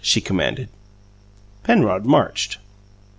she commanded. Penrod marched.